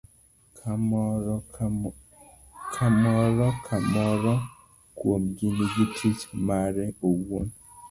ka moro ka moro kuomgi nigi tich mare owuon.